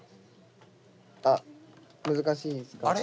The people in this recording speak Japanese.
あっ難しいですか。